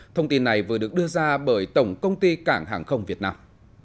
thông tin này vừa được đưa ra bởi tổng công ty cảng hàng không việt nam